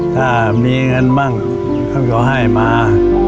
ถ้ามีเงินบ้างท่านก็ให้มา